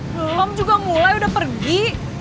belum juga mulai udah pergi